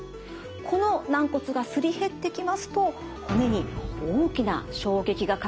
この軟骨がすり減ってきますと骨に大きな衝撃がかかり